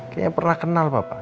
kayaknya pernah kenal papa